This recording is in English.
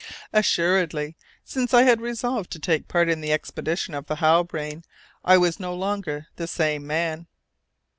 Assuredly, since I had resolved to take part in the expedition of the Halbrane, I was no longer the same man!